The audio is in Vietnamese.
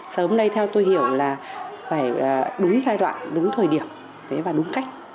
sớm ở đây theo tôi hiểu là phải đúng giai đoạn đúng thời điểm và đúng cách